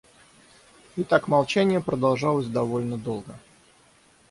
И так молчание продолжалось довольно долго.